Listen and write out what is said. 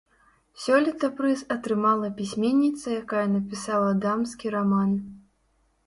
Сёлета прыз атрымала пісьменніца, якая напісала дамскі раман.